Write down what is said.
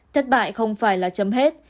thất bại không phải là chấm hết